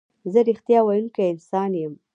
زه رښتیا ویونکی انسان یم.